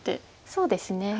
そうですね。